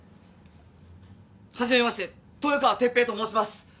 初めまして豊川哲平と申します。